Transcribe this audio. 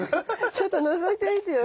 ちょっとのぞいてみてよ。